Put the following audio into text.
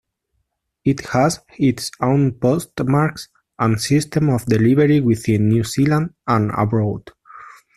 It has its own postmarks and system of delivery within New Zealand and abroad.